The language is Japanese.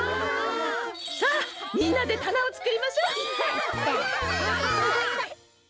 さあみんなでたなをつくりましょ！